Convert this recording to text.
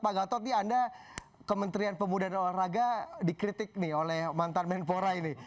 pak gatot ini anda kementerian pemuda dan olahraga dikritik nih oleh mantan menpora ini